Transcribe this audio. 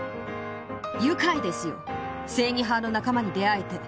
「『愉快ですよ正義派の仲間に出会えて。